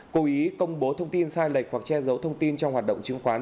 cố ý công bố thông tin sai lệch hoặc che giấu thông tin trong hoạt động chứng khoán